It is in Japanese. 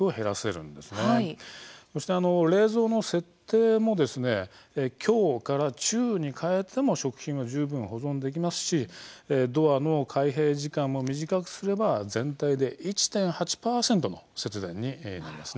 そして冷蔵の設定も強から中に変えても食品は十分、保存できますしドアの開閉時間も短くすれば全体で１．８％の節電になります。